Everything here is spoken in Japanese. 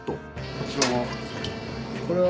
こちらは？